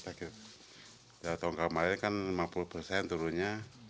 kalau tahun kemarin kan lima puluh persen turunnya